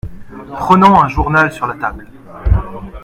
Prenant un journal sur la table.